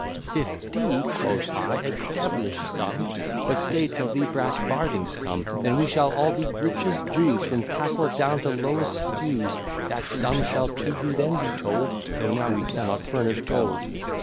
"Fifty!" quoth I, "a devilish sum; But stay till the brass farthings come, Then we shall all be rich as Jews, From Castle down to lowest stews; That sum shall to you then be told, Though now we cannot furnish gold."